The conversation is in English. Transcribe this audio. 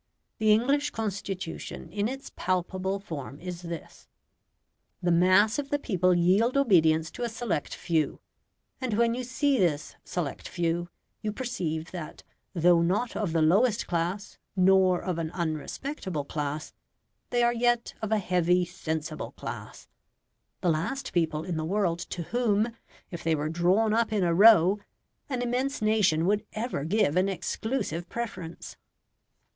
The English constitution in its palpable form is this the mass of the people yield obedience to a select few; and when you see this select few, you perceive that though not of the lowest class, nor of an unrespectable class, they are yet of a heavy sensible class the last people in the world to whom, if they were drawn up in a row, an immense nation would ever give an exclusive preference.